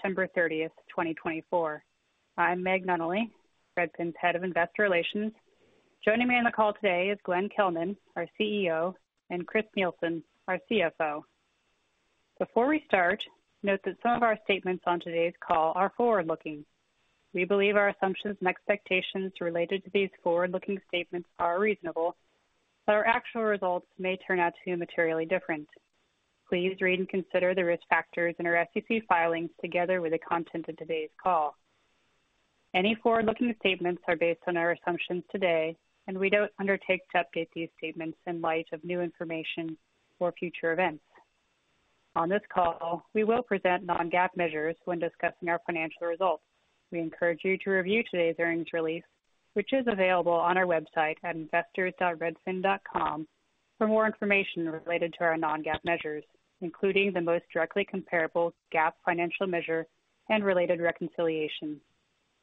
September 30th, 2024. I'm Meg Nunnally, Redfin's Head of Investor Relations. Joining me on the call today is Glenn Kelman, our CEO, and Chris Nielsen, our CFO. Before we start, note that some of our statements on today's call are forward-looking. We believe our assumptions and expectations related to these forward-looking statements are reasonable, but our actual results may turn out to be materially different. Please read and consider the risk factors in our SEC filings together with the content of today's call. Any forward-looking statements are based on our assumptions today, and we don't undertake to update these statements in light of new information or future events. On this call, we will present non-GAAP measures when discussing our financial results. We encourage you to review today's earnings release, which is available on our website at investors.redfin.com, for more information related to our non-GAAP measures, including the most directly comparable GAAP financial measure and related reconciliation.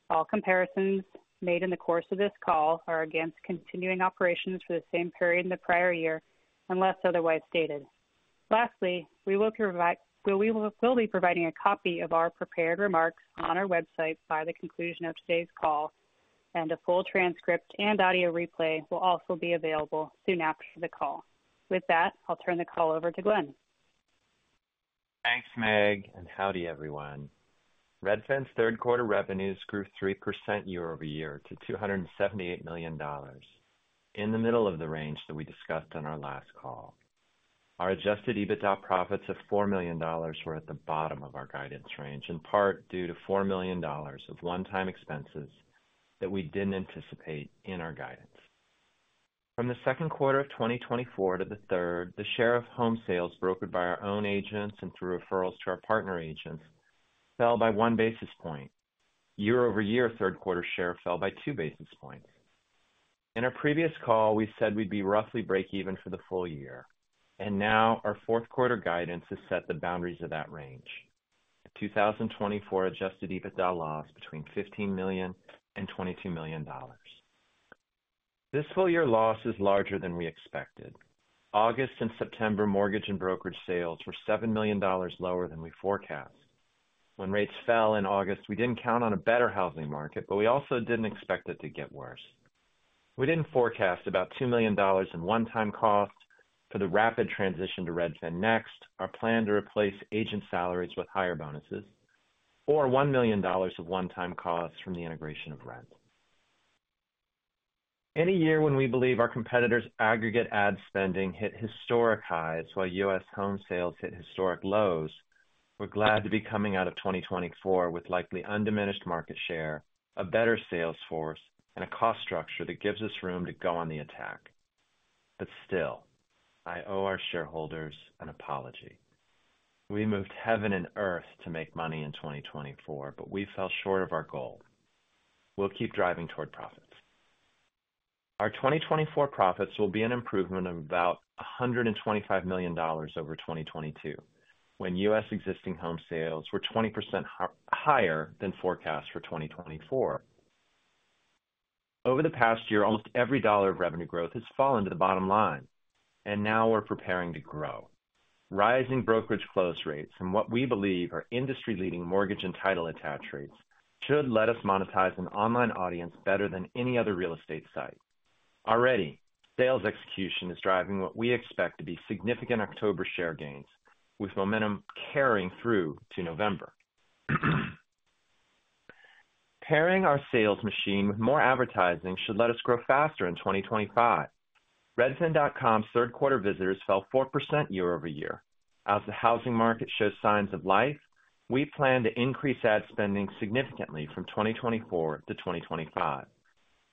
All comparisons made in the course of this call are against continuing operations for the same period in the prior year unless otherwise stated. Lastly, we will be providing a copy of our prepared remarks on our website by the conclusion of today's call, and a full transcript and audio replay will also be available soon after the call. With that, I'll turn the call over to Glenn. Thanks, Meg, and howdy, everyone. Redfin's third-quarter revenues grew 3% year-over-year to $278 million, in the middle of the range that we discussed on our last call. Our adjusted EBITDA profits of $4 million were at the bottom of our guidance range, in part due to $4 million of one-time expenses that we didn't anticipate in our guidance. From the second quarter of 2024 to the third, the share of home sales brokered by our own agents and through referrals to our partner agents fell by one basis point. Year-over-year, third-quarter share fell by two basis points. In our previous call, we said we'd be roughly break-even for the full year, and now our fourth-quarter guidance has set the boundaries of that range. In 2024, adjusted EBITDA lost between $15 million and $22 million. This full-year loss is larger than we expected. August and September mortgage and brokerage sales were $7 million lower than we forecast. When rates fell in August, we didn't count on a better housing market, but we also didn't expect it to get worse. We didn't forecast about $2 million in one-time costs for the rapid transition to Redfin Next, our plan to replace agent salaries with higher bonuses, or $1 million of one-time costs from the integration of Rent. Any year when we believe our competitors' aggregate ad spending hit historic highs while U.S. home sales hit historic lows, we're glad to be coming out of 2024 with likely undiminished market share, a better sales force, and a cost structure that gives us room to go on the attack. But still, I owe our shareholders an apology. We moved heaven and earth to make money in 2024, but we fell short of our goal. We'll keep driving toward profits. Our 2024 profits will be an improvement of about $125 million over 2022, when U.S. existing home sales were 20% higher than forecast for 2024. Over the past year, almost every dollar of revenue growth has fallen to the bottom line, and now we're preparing to grow. Rising brokerage close rates and what we believe are industry-leading mortgage and title attach rates should let us monetize an online audience better than any other real estate site. Already, sales execution is driving what we expect to be significant October share gains, with momentum carrying through to November. Pairing our sales machine with more advertising should let us grow faster in 2025. Redfin.com's third-quarter visitors fell 4% year-over-year. As the housing market shows signs of life, we plan to increase ad spending significantly from 2024 to 2025.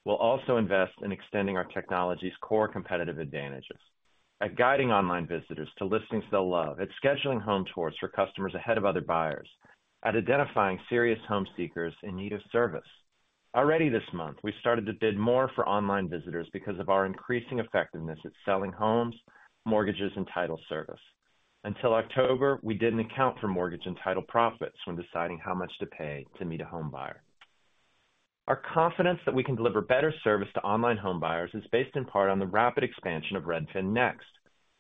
We'll also invest in extending our technology's core competitive advantages, at guiding online visitors to listings they'll love, at scheduling home tours for customers ahead of other buyers, at identifying serious home seekers in need of service. Already this month, we started to bid more for online visitors because of our increasing effectiveness at selling homes, mortgages, and title service. Until October, we didn't account for mortgage and title profits when deciding how much to pay to meet a home buyer. Our confidence that we can deliver better service to online home buyers is based in part on the rapid expansion of Redfin Next,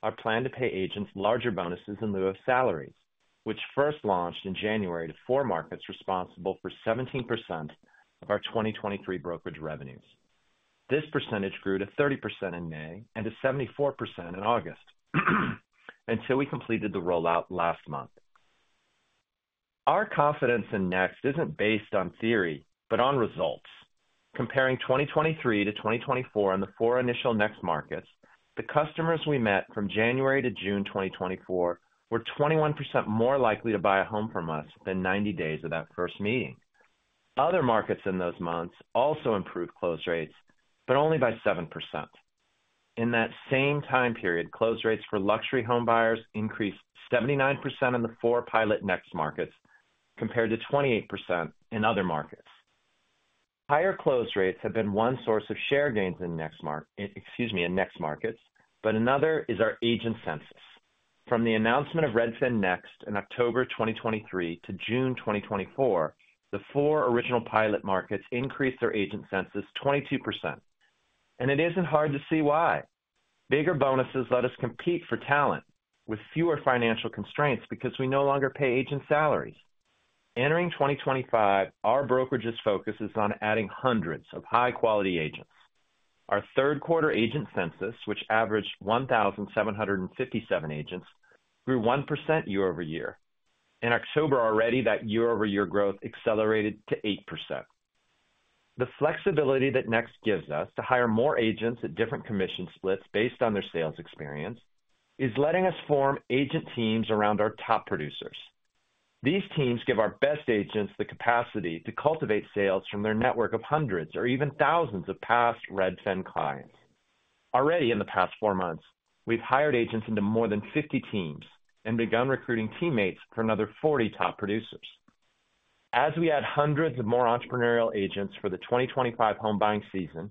our plan to pay agents larger bonuses in lieu of salaries, which first launched in January to four markets responsible for 17% of our 2023 brokerage revenues. This percentage grew to 30% in May and to 74% in August until we completed the rollout last month. Our confidence in Next isn't based on theory, but on results. Comparing 2023 to 2024 in the four initial Next markets, the customers we met from January to June 2024 were 21% more likely to buy a home from us than 90 days of that first meeting. Other markets in those months also improved close rates, but only by 7%. In that same time period, close rates for luxury home buyers increased 79% in the four pilot Next markets compared to 28% in other markets. Higher close rates have been one source of share gains in Next markets, excuse me, in Next markets, but another is our agent census. From the announcement of Redfin Next in October 2023 to June 2024, the four original pilot markets increased their agent census 22%, and it isn't hard to see why. Bigger bonuses let us compete for talent with fewer financial constraints because we no longer pay agent salaries. Entering 2025, our brokerage's focus is on adding hundreds of high-quality agents. Our third-quarter agent census, which averaged 1,757 agents, grew 1% year-over-year. In October already, that year-over-year growth accelerated to 8%. The flexibility that Next gives us to hire more agents at different commission splits based on their sales experience is letting us form agent teams around our top producers. These teams give our best agents the capacity to cultivate sales from their network of hundreds or even thousands of past Redfin clients. Already, in the past four months, we've hired agents into more than 50 teams and begun recruiting teammates for another 40 top producers. As we add hundreds of more entrepreneurial agents for the 2025 home buying season,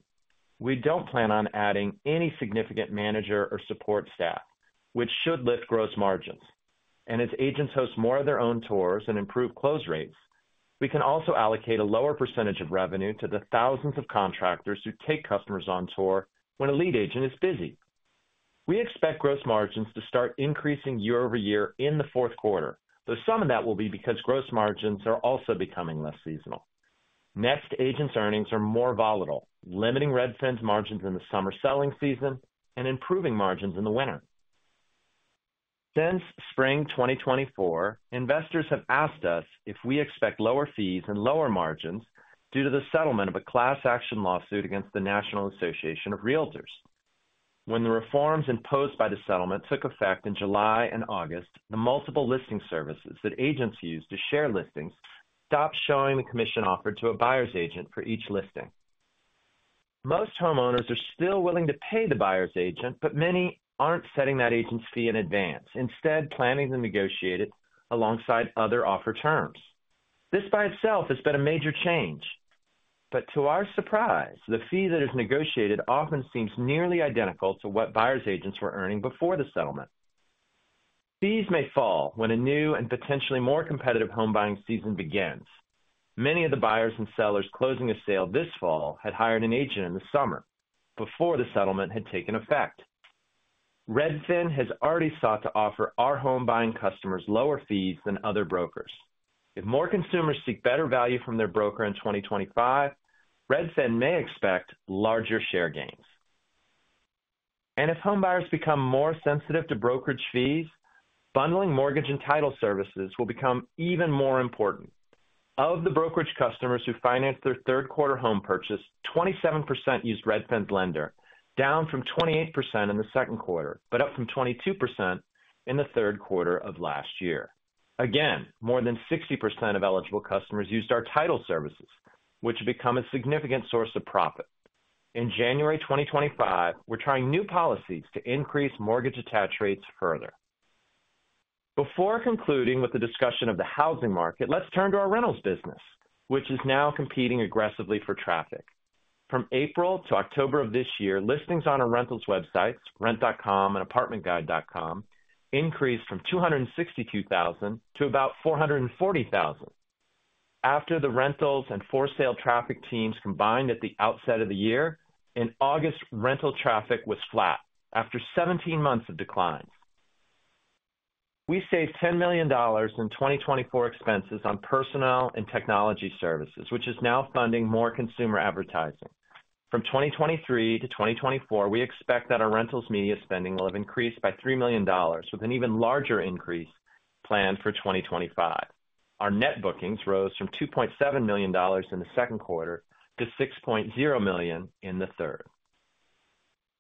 we don't plan on adding any significant manager or support staff, which should lift gross margins. And as agents host more of their own tours and improve close rates, we can also allocate a lower percentage of revenue to the thousands of contractors who take customers on tour when a lead agent is busy. We expect gross margins to start increasing year-over-year in the fourth quarter, though some of that will be because gross margins are also becoming less seasonal. Next agents' earnings are more volatile, limiting Redfin's margins in the summer selling season and improving margins in the winter. Since spring 2024, investors have asked us if we expect lower fees and lower margins due to the settlement of a class action lawsuit against the National Association of Realtors. When the reforms imposed by the settlement took effect in July and August, the multiple listing services that agents use to share listings stopped showing the commission offered to a buyer's agent for each listing. Most homeowners are still willing to pay the buyer's agent, but many aren't setting that agent's fee in advance, instead planning to negotiate it alongside other offered terms. This by itself has been a major change, but to our surprise, the fee that is negotiated often seems nearly identical to what buyer's agents were earning before the settlement. Fees may fall when a new and potentially more competitive home buying season begins. Many of the buyers and sellers closing a sale this fall had hired an agent in the summer before the settlement had taken effect. Redfin has already sought to offer our home buying customers lower fees than other brokers. If more consumers seek better value from their broker in 2025, Redfin may expect larger share gains. And if home buyers become more sensitive to brokerage fees, bundling mortgage and title services will become even more important. Of the brokerage customers who financed their third-quarter home purchase, 27% used Redfin's lender, down from 28% in the second quarter, but up from 22% in the third quarter of last year. Again, more than 60% of eligible customers used our title services, which have become a significant source of profit. In January 2025, we're trying new policies to increase mortgage attach rates further. Before concluding with the discussion of the housing market, let's turn to our rentals business, which is now competing aggressively for traffic. From April to October of this year, listings on our rentals websites, Rent.com and ApartmentGuide.com, increased from 262,000 to about 440,000. After the rentals and for-sale traffic teams combined at the outset of the year, in August, rental traffic was flat after 17 months of declines. We saved $10 million in 2024 expenses on personnel and technology services, which is now funding more consumer advertising. From 2023 to 2024, we expect that our rentals media spending will have increased by $3 million, with an even larger increase planned for 2025. Our net bookings rose from $2.7 million in the second quarter to $6.0 million in the third.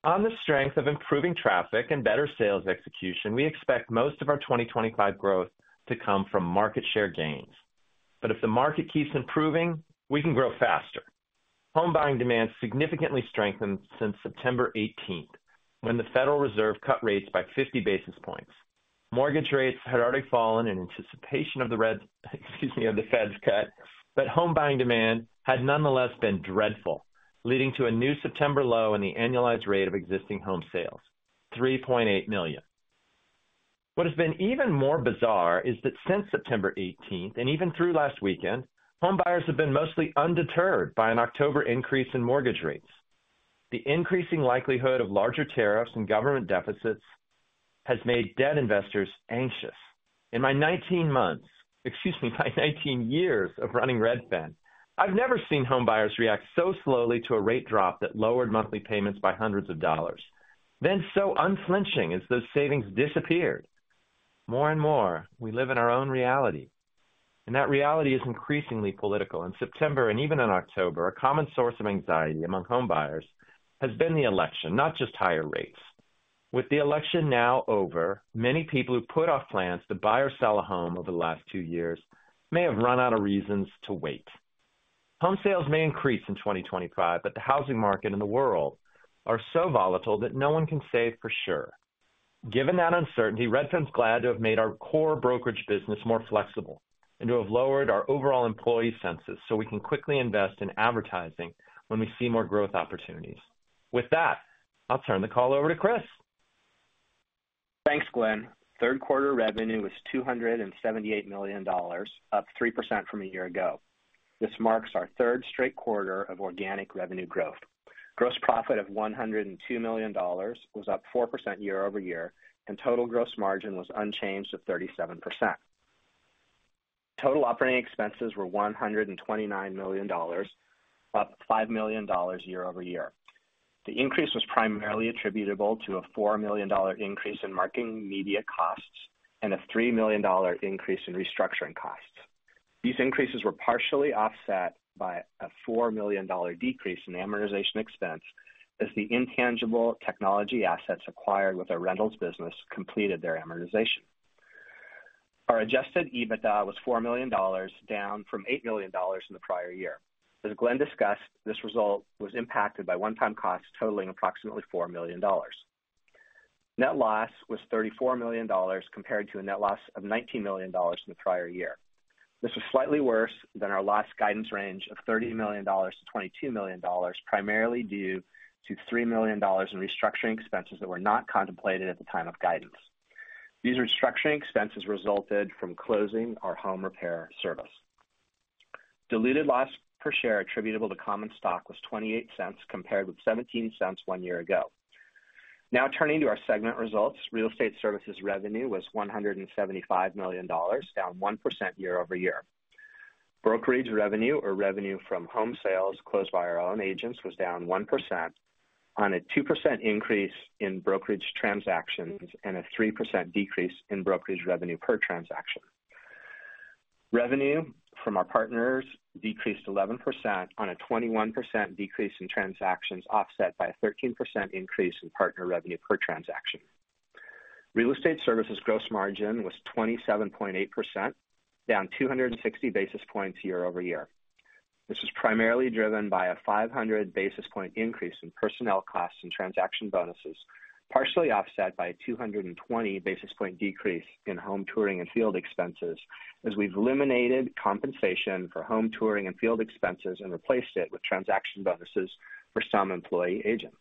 On the strength of improving traffic and better sales execution, we expect most of our 2025 growth to come from market share gains. But if the market keeps improving, we can grow faster. Home buying demand significantly strengthened since September 18th, when the Federal Reserve cut rates by 50 basis points. Mortgage rates had already fallen in anticipation of the Fed's cut, but home buying demand had nonetheless been dreadful, leading to a new September low in the annualized rate of existing home sales, 3.8 million. What has been even more bizarre is that since September 18th and even through last weekend, home buyers have been mostly undeterred by an October increase in mortgage rates. The increasing likelihood of larger tariffs and government deficits has made debt investors anxious. In my 19 months, excuse me, my 19 years of running Redfin, I've never seen home buyers react so slowly to a rate drop that lowered monthly payments by hundreds of dollars. Then so unflinching as those savings disappeared. More and more, we live in our own reality. And that reality is increasingly political. In September and even in October, a common source of anxiety among home buyers has been the election, not just higher rates. With the election now over, many people who put off plans to buy or sell a home over the last two years may have run out of reasons to wait. Home sales may increase in 2025, but the housing market and the world are so volatile that no one can say for sure. Given that uncertainty, Redfin's glad to have made our core brokerage business more flexible and to have lowered our overall employee headcount so we can quickly invest in advertising when we see more growth opportunities. With that, I'll turn the call over to Chris. Thanks, Glenn. Third-quarter revenue was $278 million, up 3% from a year ago. This marks our third straight quarter of organic revenue growth. Gross profit of $102 million was up 4% year-over-year, and total gross margin was unchanged at 37%. Total operating expenses were $129 million, up $5 million year-over-year. The increase was primarily attributable to a $4 million increase in marketing media costs and a $3 million increase in restructuring costs. These increases were partially offset by a $4 million decrease in amortization expense as the intangible technology assets acquired with our rentals business completed their amortization. Our adjusted EBITDA was $4 million, down from $8 million in the prior year. As Glenn discussed, this result was impacted by one-time costs totaling approximately $4 million. Net loss was $34 million compared to a net loss of $19 million in the prior year. This was slightly worse than our last guidance range of $30 million-$22 million, primarily due to $3 million in restructuring expenses that were not contemplated at the time of guidance. These restructuring expenses resulted from closing our home repair service. Diluted loss per share attributable to common stock was $0.28 compared with $0.17 one year ago. Now turning to our segment results, real estate services revenue was $175 million, down 1% year-over-year. Brokerage revenue, or revenue from home sales closed by our own agents, was down 1%, on a 2% increase in brokerage transactions and a 3% decrease in brokerage revenue per transaction. Revenue from our partners decreased 11% on a 21% decrease in transactions offset by a 13% increase in partner revenue per transaction. Real estate services gross margin was 27.8%, down 260 basis points year-over-year. This was primarily driven by a 500 basis point increase in personnel costs and transaction bonuses, partially offset by a 220 basis point decrease in home touring and field expenses, as we've eliminated compensation for home touring and field expenses and replaced it with transaction bonuses for some employee agents.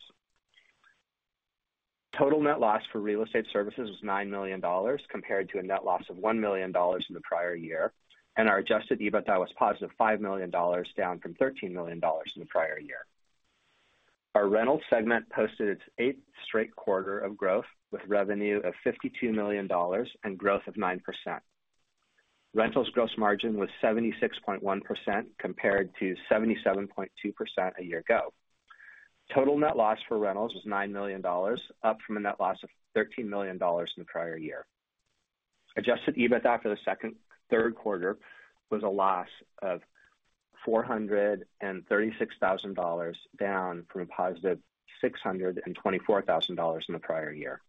Total net loss for real estate services was $9 million compared to a net loss of $1 million in the prior year, and our adjusted EBITDA was +$5 million, down from $13 million in the prior year. Our rentals segment posted its eighth straight quarter of growth with revenue of $52 million and growth of 9%. Rentals gross margin was 76.1% compared to 77.2% a year ago. Total net loss for rentals was $9 million, up from a net loss of $13 million in the prior year. Adjusted EBITDA for the second and third quarter was a loss of $436,000, down from a +$624,000 in the prior year.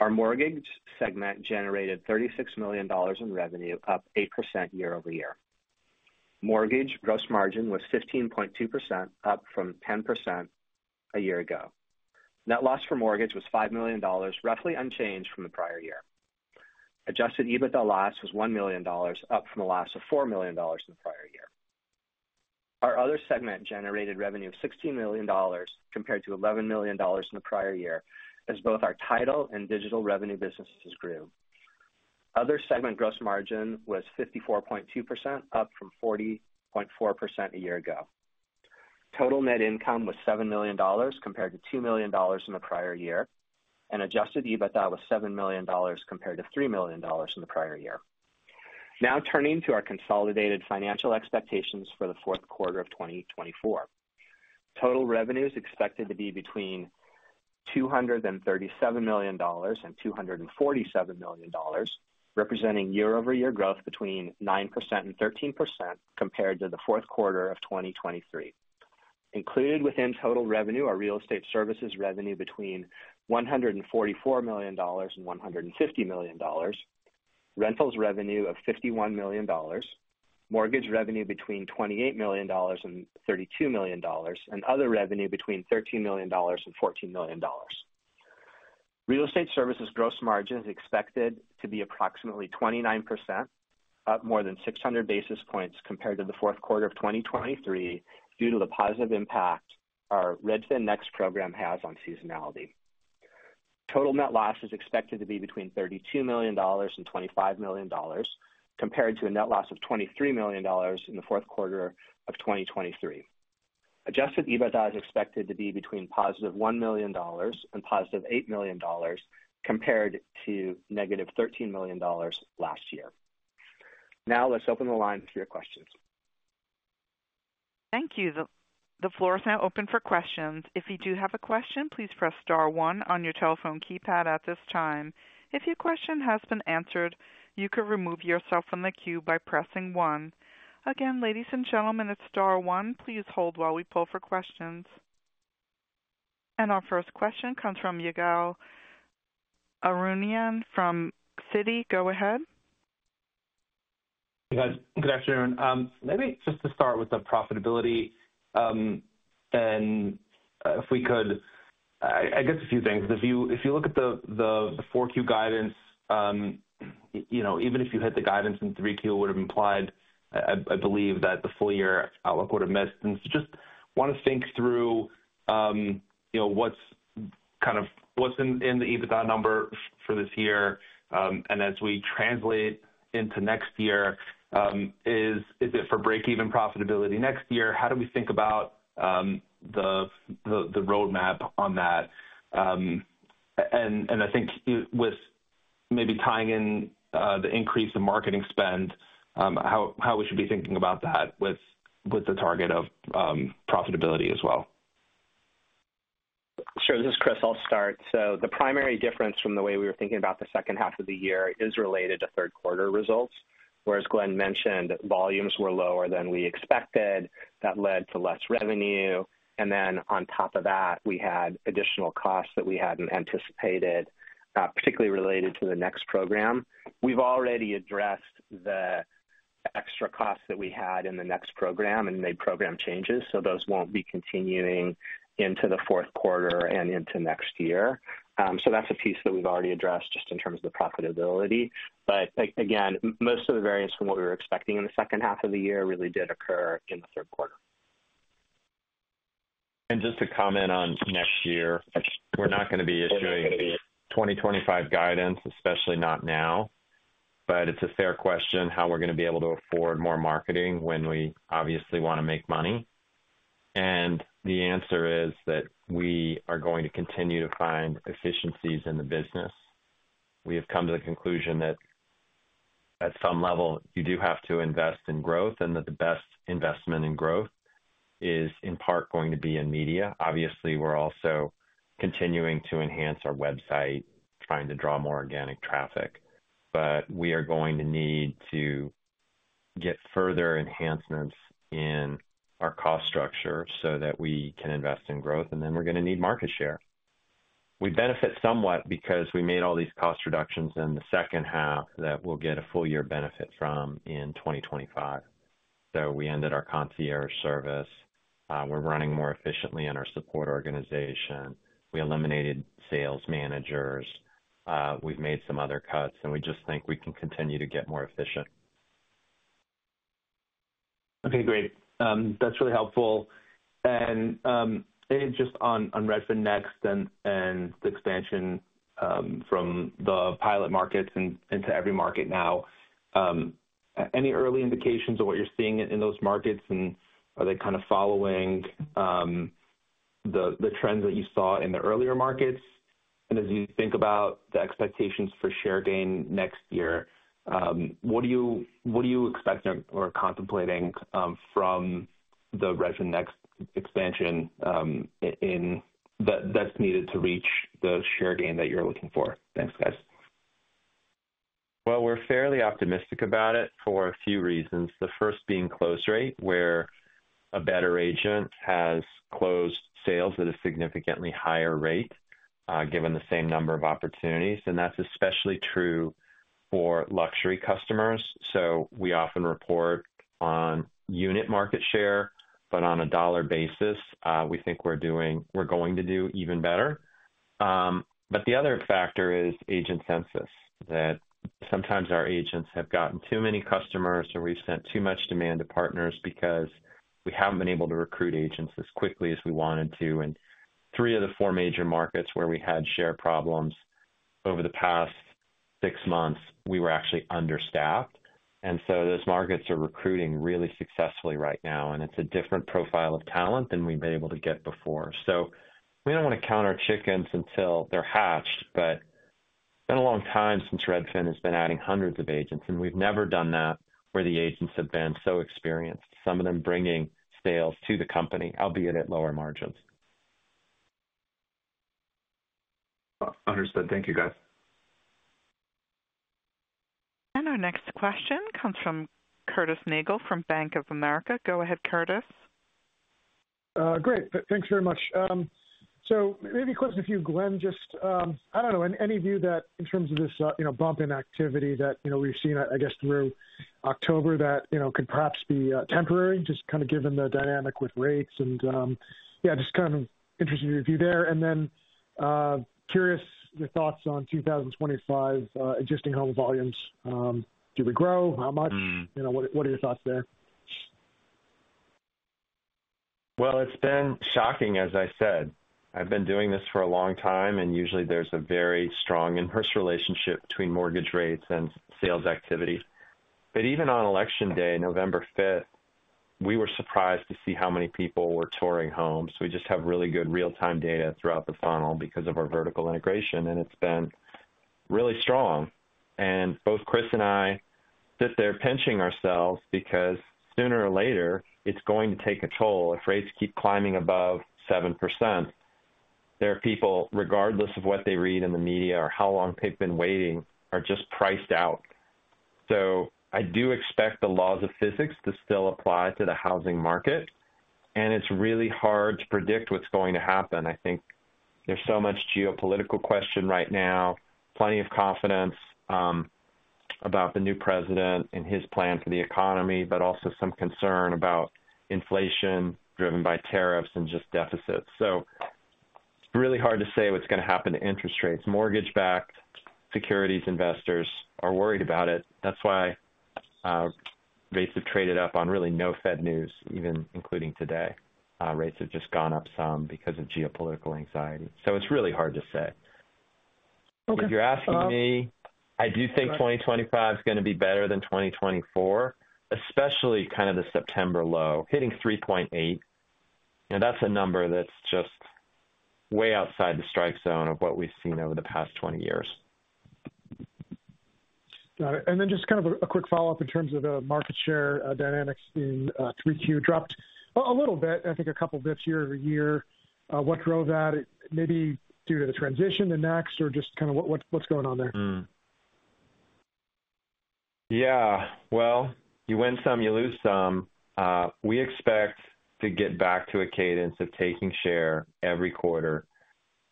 Our mortgage segment generated $36 million in revenue, up 8% year -over-year. Mortgage gross margin was 15.2%, up from 10% a year ago. Net loss for mortgage was $5 million, roughly unchanged from the prior year. Adjusted EBITDA loss was $1 million, up from a loss of $4 million in the prior year. Our other segment generated revenue of $16 million compared to $11 million in the prior year, as both our title and digital revenue businesses grew. Other segment gross margin was 54.2%, up from 40.4% a year ago. Total net income was $7 million compared to $2 million in the prior year, and adjusted EBITDA was $7 million compared to $3 million in the prior year. Now turning to our consolidated financial expectations for the fourth quarter of 2024. Total revenues expected to be between $237 million and $247 million, representing year-over-year growth between 9% and 13% compared to the fourth quarter of 2023. Included within total revenue are real estate services revenue between $144 million and $150 million, rentals revenue of $51 million, mortgage revenue between $28 million and $32 million, and other revenue between $13 million and $14 million. Real estate services gross margin is expected to be approximately 29%, up more than 600 basis points compared to the fourth quarter of 2023, due to the positive impact our Redfin Next program has on seasonality. Total net loss is expected to be between $32 million and $25 million compared to a net loss of $23 million in the fourth quarter of 2023. Adjusted EBITDA is expected to be between +$1 million and +$8 million compared to negative $13 million last year. Now let's open the line for your questions. Thank you. The floor is now open for questions. If you do have a question, please press star one on your telephone keypad at this time. If your question has been answered, you can remove yourself from the queue by pressing one. Again, ladies and gentlemen, it's star one. Please hold while we pull for questions, and our first question comes from Ygal Arounian from Citi. Go ahead. Good afternoon. Maybe just to start with the profitability and if we could, I guess a few things. If you look at the Q4 guidance, even if you had the guidance in Q3 would have implied, I believe that the full year outlook would have missed. And so just want to think through what's kind of in the EBITDA number for this year. And as we translate into next year, is it for break-even profitability next year? How do we think about the roadmap on that? And I think with maybe tying in the increase in marketing spend, how we should be thinking about that with the target of profitability as well. Sure. This is Chris. I'll start. So the primary difference from the way we were thinking about the second half of the year is related to third-quarter results. Whereas Glenn mentioned volumes were lower than we expected, that led to less revenue. And then on top of that, we had additional costs that we hadn't anticipated, particularly related to the Next program. We've already addressed the extra costs that we had in the Next program and made program changes. So those won't be continuing into the fourth quarter and into next year. So that's a piece that we've already addressed just in terms of the profitability. But again, most of the variance from what we were expecting in the second half of the year really did occur in the third quarter. And just to comment on next year, we're not going to be issuing 2025 guidance, especially not now. But it's a fair question how we're going to be able to afford more marketing when we obviously want to make money. And the answer is that we are going to continue to find efficiencies in the business. We have come to the conclusion that at some level, you do have to invest in growth and that the best investment in growth is in part going to be in media. Obviously, we're also continuing to enhance our website, trying to draw more organic traffic. But we are going to need to get further enhancements in our cost structure so that we can invest in growth. And then we're going to need market share. We benefit somewhat because we made all these cost reductions in the second half that we'll get a full year benefit from in 2025. So we ended our concierge service. We're running more efficiently in our support organization. We eliminated sales managers. We've made some other cuts, and we just think we can continue to get more efficient. Okay, great. That's really helpful. And just on Redfin Next and the expansion from the pilot markets into every market now, any early indications of what you're seeing in those markets? And are they kind of following the trends that you saw in the earlier markets? And as you think about the expectations for share gain next year, what do you expect or are contemplating from the Redfin Next expansion that's needed to reach the share gain that you're looking for? Thanks, guys. Well, we're fairly optimistic about it for a few reasons. The first being close rate, where a better agent has closed sales at a significantly higher rate given the same number of opportunities. And that's especially true for luxury customers. So we often report on unit market share, but on a dollar basis, we think we're going to do even better. But the other factor is agent census, that sometimes our agents have gotten too many customers or we've sent too much demand to partners because we haven't been able to recruit agents as quickly as we wanted to. Three of the four major markets where we had share problems over the past six months, we were actually understaffed. Those markets are recruiting really successfully right now. It's a different profile of talent than we've been able to get before. We don't want to count our chickens until they're hatched. It's been a long time since Redfin has been adding hundreds of agents, and we've never done that where the agents have been so experienced, some of them bringing sales to the company, albeit at lower margins. Understood. Thank you, guys. Our next question comes from Curtis Nagle from Bank of America. Go ahead, Curtis. Great. Thanks very much. Maybe a question for you, Glenn. Just, I don't know, any view that in terms of this bump in activity that we've seen, I guess, through October that could perhaps be temporary, just kind of given the dynamic with rates? And yeah, just kind of interested in your view there. And then curious your thoughts on 2025 existing home volumes. Do we grow? How much? What are your thoughts there? Well, it's been shocking, as I said. I've been doing this for a long time, and usually there's a very strong and personal relationship between mortgage rates and sales activity. But even on election day, November 5th, we were surprised to see how many people were touring homes. We just have really good real-time data throughout the funnel because of our vertical integration, and it's been really strong. Both Chris and I sit there pinching ourselves because sooner or later, it's going to take a toll if rates keep climbing above 7%. There are people, regardless of what they read in the media or how long they've been waiting, are just priced out. I do expect the laws of physics to still apply to the housing market. It's really hard to predict what's going to happen. I think there's so much geopolitical question right now, plenty of confidence about the new president and his plan for the economy, but also some concern about inflation driven by tariffs and just deficits. It's really hard to say what's going to happen to interest rates. Mortgage-backed securities investors are worried about it. That's why rates have traded up on really no Fed news, even including today. Rates have just gone up some because of geopolitical anxiety. It's really hard to say. If you're asking me, I do think 2025 is going to be better than 2024, especially kind of the September low, hitting 3.8. That's a number that's just way outside the strike zone of what we've seen over the past 20 years. Got it. Then just kind of a quick follow-up in terms of the market share dynamics in Q3 dropped a little bit, I think a couple of points year-over-year. What drove that? Maybe due to the transition to Next or just kind of what's going on there? Yeah. You win some, you lose some. We expect to get back to a cadence of taking share every quarter.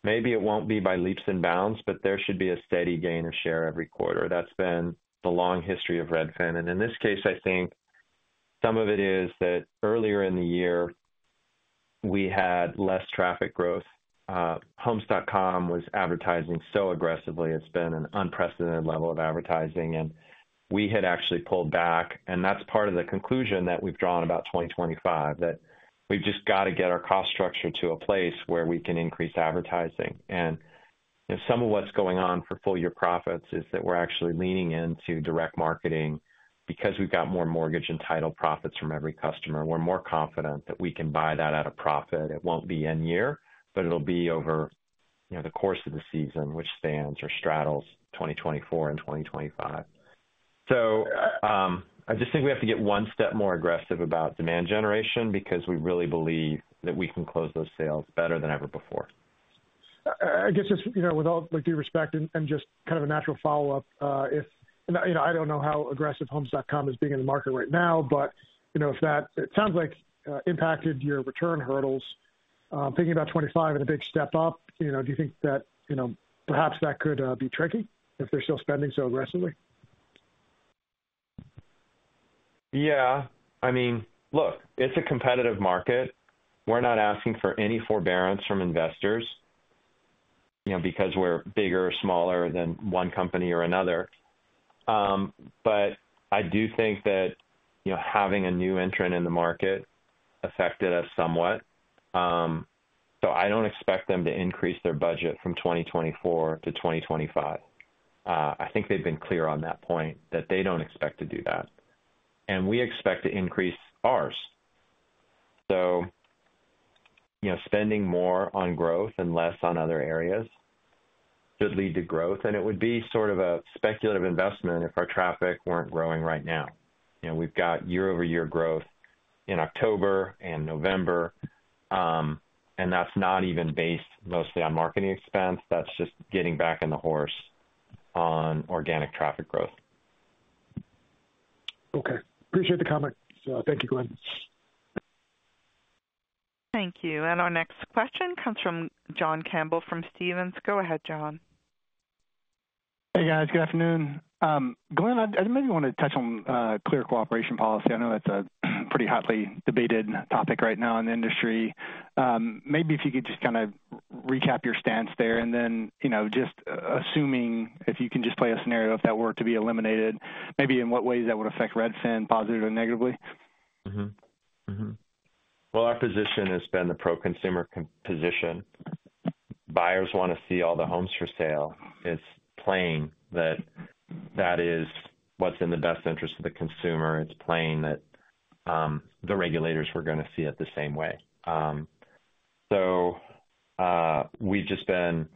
Maybe it won't be by leaps and bounds, but there should be a steady gain of share every quarter. That's been the long history of Redfin. And in this case, I think some of it is that earlier in the year, we had less traffic growth. Homes.com was advertising so aggressively. It's been an unprecedented level of advertising. And we had actually pulled back. And that's part of the conclusion that we've drawn about 2025, that we've just got to get our cost structure to a place where we can increase advertising. And some of what's going on for full-year profits is that we're actually leaning into direct marketing because we've got more mortgage and title profits from every customer. We're more confident that we can buy that at a profit. It won't be end year, but it'll be over the course of the season, which spans or straddles 2024 and 2025. So I just think we have to get one step more aggressive about demand generation because we really believe that we can close those sales better than ever before. I guess just with all due respect and just kind of a natural follow-up, I don't know how aggressive Homes.com is being in the market right now, but it sounds like it impacted your return hurdles. Thinking about 2025 and a big step up, do you think that perhaps that could be tricky if they're still spending so aggressively? Yeah. I mean, look, it's a competitive market. We're not asking for any forbearance from investors because we're bigger or smaller than one company or another. But I do think that having a new entrant in the market affected us somewhat. So I don't expect them to increase their budget from 2024 to 2025. I think they've been clear on that point, that they don't expect to do that. And we expect to increase ours. So spending more on growth and less on other areas should lead to growth. And it would be sort of a speculative investment if our traffic weren't growing right now. We've got year-over-year growth in October and November. And that's not even based mostly on marketing expense. That's just getting back on the horse on organic traffic growth. Okay. Appreciate the comment. So thank you, Glenn. Thank you. And our next question comes from John Campbell from Stephens. Go ahead, John. Hey, guys. Good afternoon. Glenn, I maybe want to touch on Clear Cooperation Policy. I know that's a pretty hotly debated topic right now in the industry. Maybe if you could just kind of recap your stance there. Then, just assuming if you can just play a scenario if that were to be eliminated, maybe in what ways that would affect Redfin, positively or negatively? Well, our position has been the pro-consumer position. Buyers want to see all the homes for sale. It's plain that that is what's in the best interest of the consumer. It's plain that the regulators were going to see it the same way. So we've just been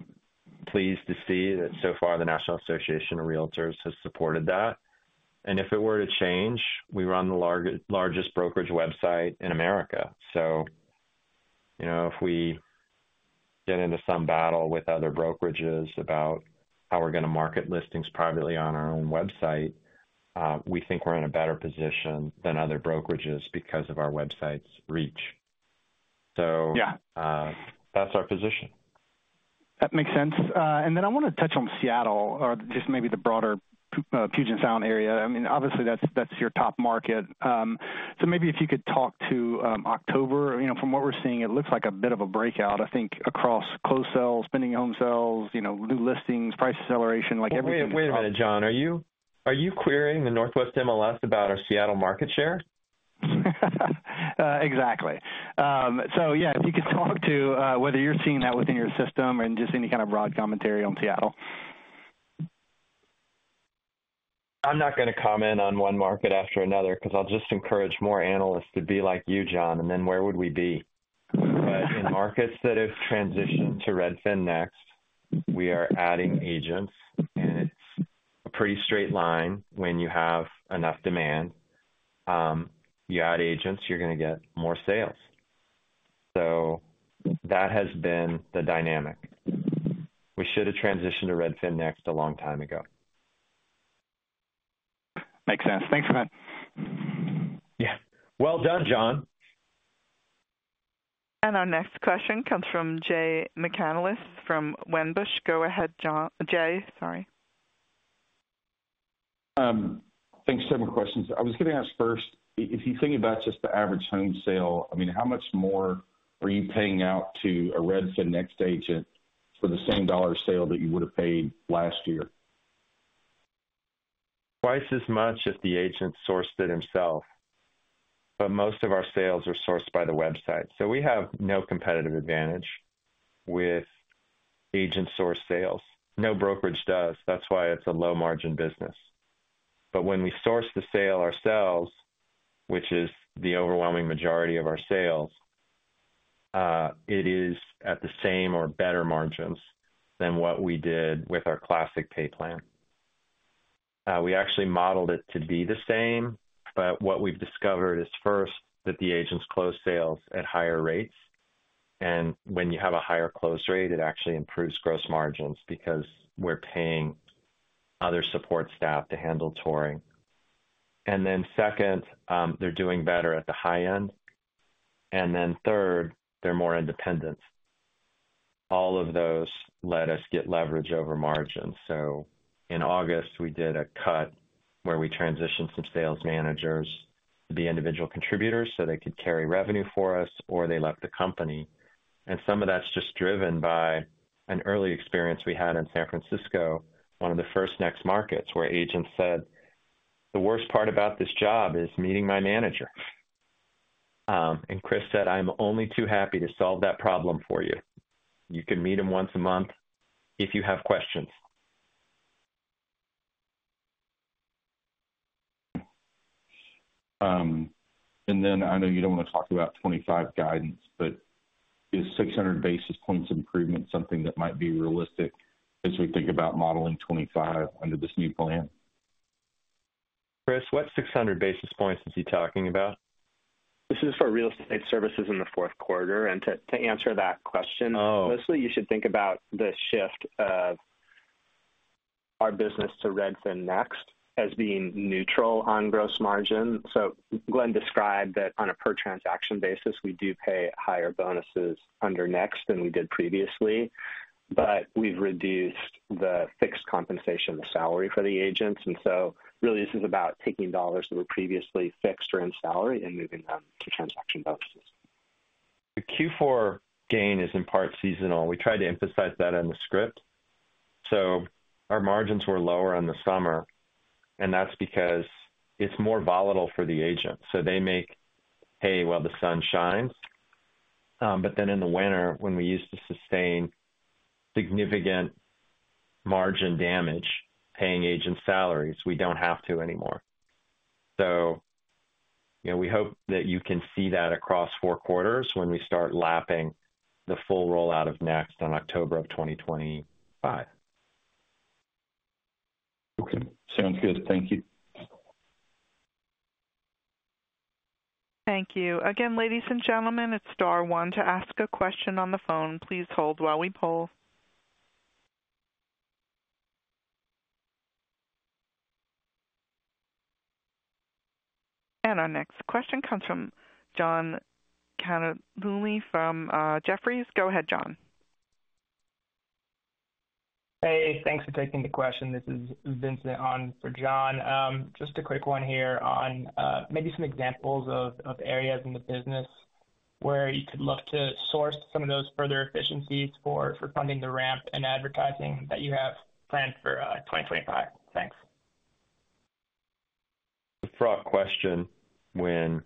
pleased to see that so far the National Association of Realtors has supported that. And if it were to change, we run the largest brokerage website in America. So if we get into some battle with other brokerages about how we're going to market listings privately on our own website, we think we're in a better position than other brokerages because of our website's reach. So that's our position. That makes sense. And then I want to touch on Seattle or just maybe the broader Puget Sound area. I mean, obviously, that's your top market. So maybe if you could talk to October. From what we're seeing, it looks like a bit of a breakout, I think, across closed sales, pending home sales, new listings, price acceleration, like everything. Wait a minute, John. Are you querying the Northwest MLS about our Seattle market share? Exactly. So yeah, if you could talk to whether you're seeing that within your system and just any kind of broad commentary on Seattle. I'm not going to comment on one market after another because I'll just encourage more analysts to be like you, John. And then where would we be? But in markets that have transitioned to Redfin Next, we are adding agents. And it's a pretty straight line. When you have enough demand, you add agents, you're going to get more sales. So that has been the dynamic. We should have transitioned to Redfin Next a long time ago. Makes sense. Thanks for that. Yeah. Well done, John. And our next question comes from Jay McCanless from Wedbush. Go ahead, Jay. Sorry. Thanks for the questions. I was going to ask first, if you're thinking about just the average home sale, I mean, how much more are you paying out to a Redfin Next agent for the same dollar sale that you would have paid last year? Twice as much if the agent sourced it himself. But most of our sales are sourced by the website. So we have no competitive advantage with agent-sourced sales. No brokerage does. That's why it's a low-margin business. But when we source the sale ourselves, which is the overwhelming majority of our sales, it is at the same or better margins than what we did with our classic pay plan. We actually modeled it to be the same, but what we've discovered is first that the agents close sales at higher rates. And when you have a higher close rate, it actually improves gross margins because we're paying other support staff to handle touring. And then second, they're doing better at the high end. And then third, they're more independent. All of those let us get leverage over margins. So in August, we did a cut where we transitioned some sales managers to be individual contributors so they could carry revenue for us, or they left the company. Some of that's just driven by an early experience we had in San Francisco, one of the first Redfin Next markets where agents said, "The worst part about this job is meeting my manager." And Chris said, "I'm only too happy to solve that problem for you. You can meet him once a month if you have questions." And then I know you don't want to talk about 2025 guidance, but is 600 basis points improvement something that might be realistic as we think about modeling 2025 under this new plan? Chris, what 600 basis points is he talking about? This is for real estate services in the fourth quarter. And to answer that question, mostly you should think about the shift of our business to Redfin Next as being neutral on gross margin. Glenn described that on a per-transaction basis, we do pay higher bonuses under Next than we did previously. But we've reduced the fixed compensation, the salary for the agents. And so really, this is about taking dollars that were previously fixed or in salary and moving them to transaction bonuses. The Q4 gain is in part seasonal. We tried to emphasize that in the script. Our margins were lower in the summer, and that's because it's more volatile for the agents. They make pay while the sun shines. But then in the winter, when we used to sustain significant margin damage paying agents salaries, we don't have to anymore. We hope that you can see that across four quarters when we start lapping the full rollout of Next in October of 2025. Okay. Sounds good. Thank you. Thank you. Again, ladies and gentlemen, it's star one to ask a question on the phone. Please hold while we poll. And our next question comes from John Colantuoni from Jefferies. Go ahead, John. Hey, thanks for taking the question. This is Vincent on for John. Just a quick one here on maybe some examples of areas in the business where you could look to source some of those further efficiencies for funding the ramp and advertising that you have planned for 2025. Thanks. A fraught question when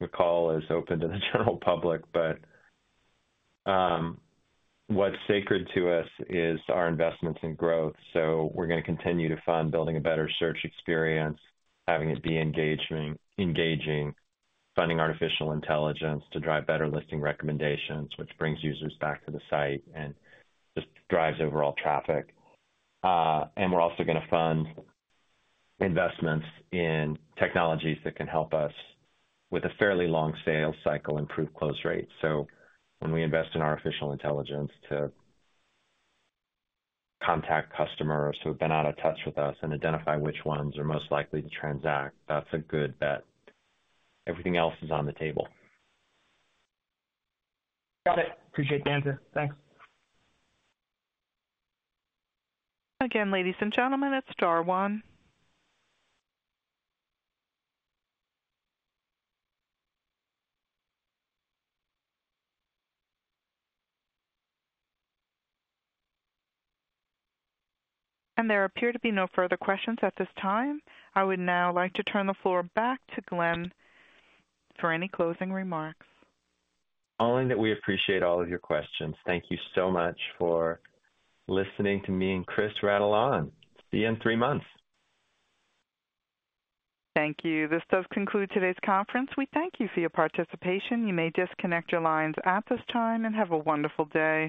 the call is open to the general public, but what's sacred to us is our investments in growth. So we're going to continue to fund building a better search experience, having it be engaging, funding artificial intelligence to drive better listing recommendations, which brings users back to the site and just drives overall traffic. And we're also going to fund investments in technologies that can help us with a fairly long sales cycle improve close rates. So when we invest in artificial intelligence to contact customers who have been out of touch with us and identify which ones are most likely to transact, that's a good bet. Everything else is on the table. Got it. Appreciate the answer. Thanks. Again, ladies and gentlemen, it's star one. And there appear to be no further questions at this time. I would now like to turn the floor back to Glenn for any closing remarks. Glenn, that we appreciate all of your questions. Thank you so much for listening to me and Chris rattle on. See you in three months. Thank you. This does conclude today's conference. We thank you for your participation. You may disconnect your lines at this time and have a wonderful day.